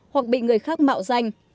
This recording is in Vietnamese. hoặc bị người khác mạo danh